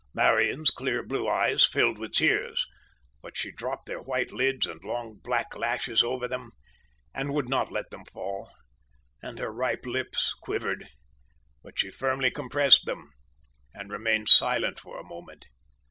Marian's clear blue eyes filled with tears, but she dropped their white lids and long black lashes over them, and would not let them fall; and her ripe lips quivered, but she firmly compressed them, and remained silent for a moment.